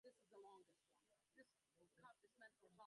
তখন বিহারী যাহা দেখিয়াছিল, তাহা আগাগোড়া বলিল।